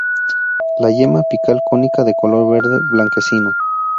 La yema apical cónica de color verde blanquecino.